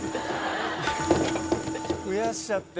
増やしちゃって。